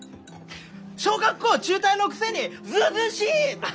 「小学校中退のくせにずうずうしい！」とか。